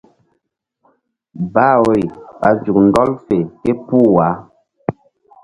Bah woyri ɓa nzuk ɗɔl fe képuh wah.